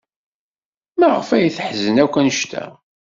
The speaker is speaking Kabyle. Maɣef ay teḥzen akk anect-a?